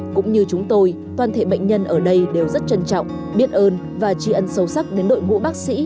cũng như chúng tôi toàn thể bệnh nhân ở đây đều rất trân trọng biết ơn và tri ân sâu sắc đến đội ngũ bác sĩ